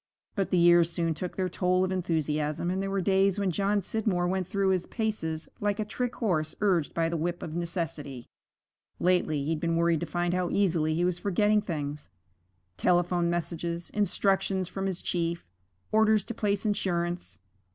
But the years soon took their toll of enthusiasm, and there were days when John Scidmore went through his paces like a trick horse urged by the whip of necessity. Lately he had been worried to find how easily he was forgetting things telephone messages, instructions from his chief, orders to place insurance.